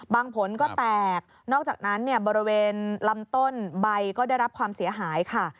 ผลก็แตกนอกจากนั้นเนี่ยบริเวณลำต้นใบก็ได้รับความเสียหายค่ะ